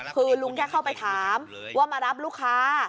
คือลุงแค่เข้าไปถามว่ามารับลูกค้า